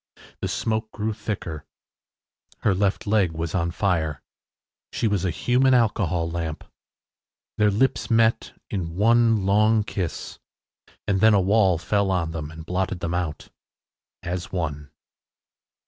The smoke grew thicker. Her left leg was on fire. She was a human alcohol lamp. Their lips met in one long kiss and then a wall fell on them and blotted them out. “AS ONE.